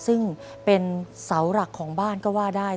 ซึ่งเป็นเสาหลักของบ้านก็ว่าได้